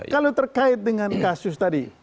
kalau terkait dengan kasus tadi